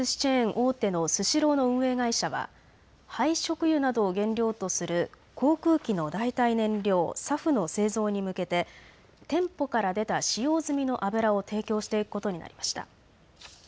大手のスシローの運営会社は廃食油などを原料とする航空機の代替燃料、ＳＡＦの製造に向けて店舗から出た使用済みの油を提供していくことになりました。